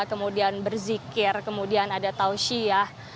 kemudian berzikir kemudian ada tausiyah